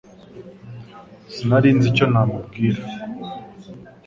Sinari nzi icyo namubwira